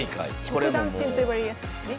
職団戦と呼ばれるやつですね。